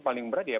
paling berat ya